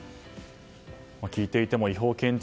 聞いていても違法建築